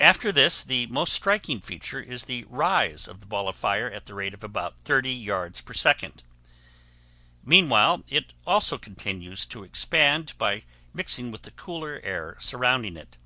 After this the most striking feature is the rise of the ball of fire at the rate of about 30 yards per second. Meanwhile it also continues to expand by mixing with the cooler air surrounding it.